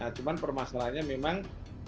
cuma permasalahannya memang